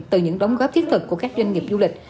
từ những đóng góp thiết thực của các doanh nghiệp du lịch